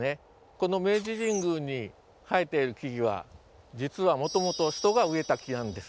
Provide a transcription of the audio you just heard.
この明治神宮に生えている木々は実はもともと人が植えた木なんです。